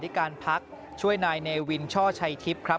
ที่การพักช่วยนายเนวินช่อชัยทิพย์ครับ